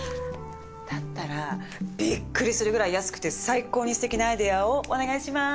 だったらビックリするくらい安くて最高にすてきなアイデアをお願いします！